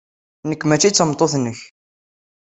Nekk maci d tameṭṭut-nnek.